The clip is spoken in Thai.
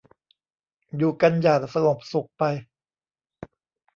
อยู่กันอย่างสงบสุขไป